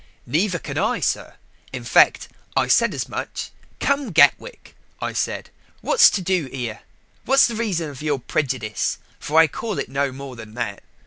"Neether can I, sir. In fact I said as much. 'Come, Gatwick,' I said, 'what's to do here? What's the reason of your prejudice for I can call it no more than that?'